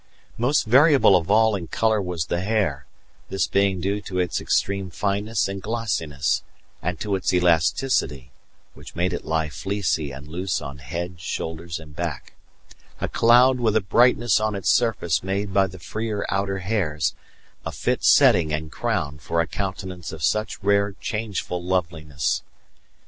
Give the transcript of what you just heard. Most variable of all in colour was the hair, this being due to its extreme fineness and glossiness, and to its elasticity, which made it lie fleecy and loose on head, shoulders, and back; a cloud with a brightness on its surface made by the freer outer hairs, a fit setting and crown for a countenance of such rare changeful loveliness.